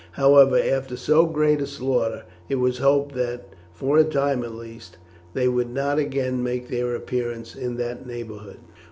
However, after so great a slaughter it was hoped that for a time at least they would not again make their appearance in that neighbourhood.